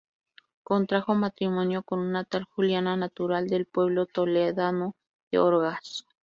Contrajo matrimonio con una tal Juliana natural del pueblo toledano de Orgaz.